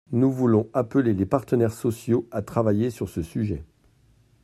Nous voulons appeler les partenaires sociaux à travailler sur ce sujet.